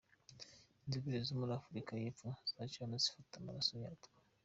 Inzobere zo muri Afurika y’Epfo zaje hano zifata amaraso yatwo.